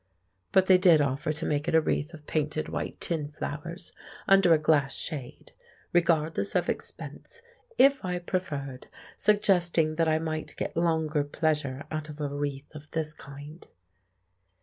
But they did offer to make it a wreath of painted white tin flowers, under a glass shade (regardless of expense), if I preferred, suggesting that I might get longer pleasure out of a wreath of this kind.